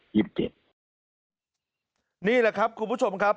ยิสพ์เจ็ดนี่แหละครับคุณผู้ชมครับ